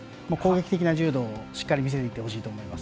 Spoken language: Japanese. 攻撃的な柔道をしっかり見せていってほしいと思います。